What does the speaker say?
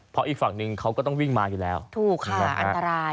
เพราะอีกฝั่งนึงเขาก็ต้องวิ่งมาอยู่แล้วถูกค่ะอันตราย